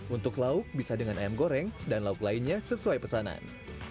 untuk lauk bisa dengan ayam goreng dan lauk lainnya sesuai pesanan